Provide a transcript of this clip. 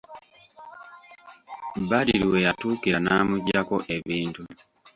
Badru we yatuukira n'amugyako ebintu.